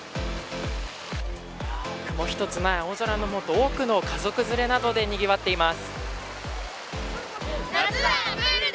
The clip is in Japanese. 雲一つない青空の下多くの家族連れなどでにぎわっています。